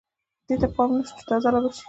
دې ته یې پام نه شو چې دا ځاله به شي.